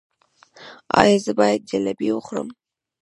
ایا زه باید جلبي وخورم؟